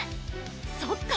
そっか！